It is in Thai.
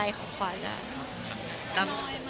มันเกิดทั้งว่าคนหนูหรอคะ